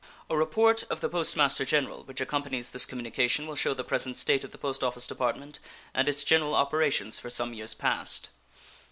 A report of the Post Master General, which accompanies this communication, will shew the present state of the Post Office Department and its general operations for some years past.